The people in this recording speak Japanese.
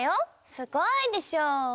すごいでしょ。